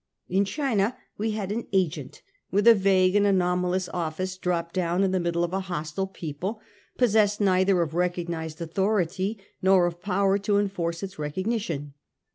In China we had an agent with a vague and anoma lous office dropped down in the middle of a hostile people, possessed neither of recognised authority nor of power to enforce its recognition.